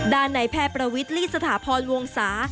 ด้านในแพร่ประวิทรีย์สถาพรวงศา